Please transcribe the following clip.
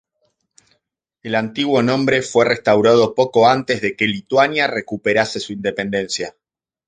El antiguo nombre fue restaurado poco antes de que Lituania recuperase su independencia.